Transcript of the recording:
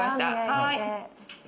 はい。